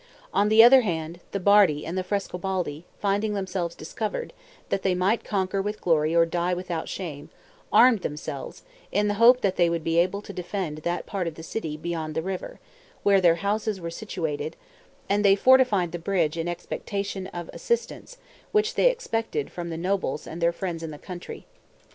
On the other hand, the Bardi and the Frescobaldi, finding themselves discovered, that they might conquer with glory or die without shame, armed themselves, in the hope that they would be able to defend that part of the city beyond the river, where their houses were situated; and they fortified the bridge in expectation of assistance, which they expected from the nobles and their friends in the country.